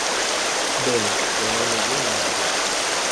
Bem, eu não neguei nada.